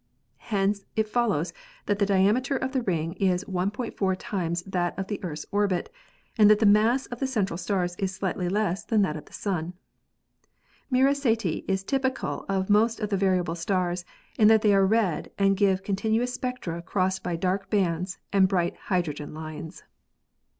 Hence it follows that the diame ter of the ring is 1.45 times that of the Earth's orbit and that the mass of the central stars is slightly less than that of the Sun. Mira Ceti is typical of most of the variable stars in that they are red and give continuous spectra crossed by dark bands and bright hydrogen lines.